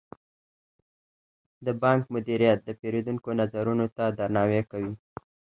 د بانک مدیریت د پیرودونکو نظرونو ته درناوی کوي.